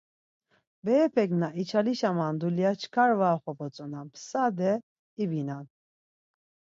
Berepek na içalişaman dulya çkar var oxobotzonam, sade ibinan.